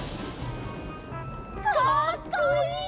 かっこいい！